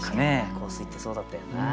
香水ってそうだったよな。